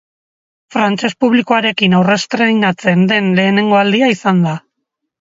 Frantses publikoarekin aurrestreinatzen den lehenengo aldia izan da.